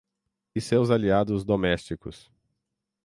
e seus aliados domésticos.